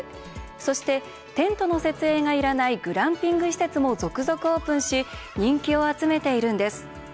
そして、テントの設営がいらないグランピング施設も続々オープンし人気を集めているんです。